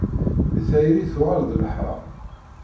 Tayri tuɣal d leḥram.